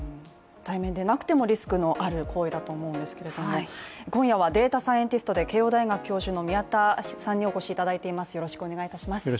対面でなくてもリスクのある行為だと思うんですけれども今夜はデータサイエンティストで慶応大学教授の宮田裕章さんにお越しいただいています。